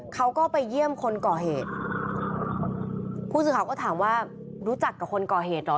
เขาก็ไปเยี่ยมคนก่อเหตุผู้สื่อข่าวก็ถามว่ารู้จักกับคนก่อเหตุเหรอ